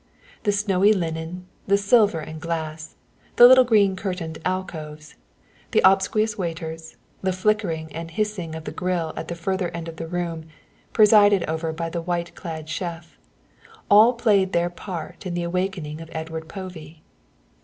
The snowy linen, the silver and glass, the little green curtained alcoves, the obsequious waiters, the flickering and hissing of the grill at the further end of the room, presided over by the white clad chef, all played their part in the awakening of Edward Povey.